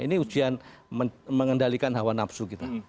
ini ujian mengendalikan hawa nafsu kita